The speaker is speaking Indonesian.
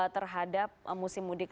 terhadap musim mudik